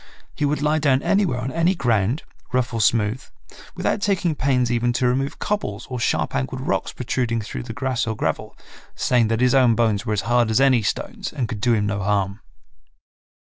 He would lie down anywhere on any ground, rough or smooth, without taking pains even to remove cobbles or sharp angled rocks protruding through the grass or gravel, saying that his own bones were as hard as any stones and could do him no harm.